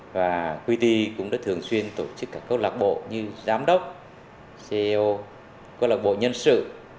và quy đi cũng đã thường xuyên tổ chức các cơ lạc bộ như giám đốc ceo cơ lạc bộ nhân sự